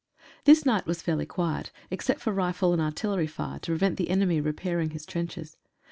This night was fairly quiet, except for rifle and artillery fire to prevent the enemy repairing his trenches.